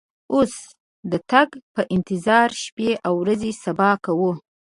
اوس د تګ په انتظار شپې او ورځې صبا کوو.